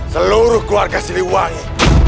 seluruh keluarga siliwangi